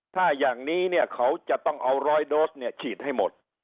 ถ้าอย่างนี้เนี่ยเขาจะต้องเอาร้อยโดสเนี่ยฉีดให้หมด